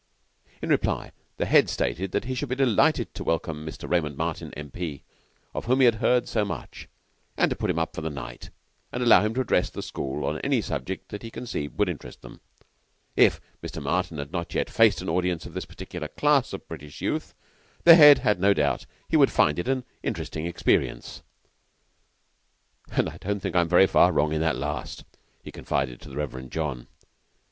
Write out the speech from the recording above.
In reply, the Head stated that he should be delighted to welcome Mr. Raymond Martin, M.P., of whom he had heard so much; to put him up for the night, and to allow him to address the school on any subject that he conceived would interest them. If Mr. Martin had not yet faced an audience of this particular class of British youth, the Head had no doubt that he would find it an interesting experience. "And I don't think I am very far wrong in that last," he confided to the Reverend John.